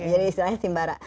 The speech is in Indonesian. jadi istilahnya simbara